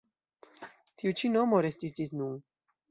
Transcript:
Tiu ĉi nomo restis ĝis nun.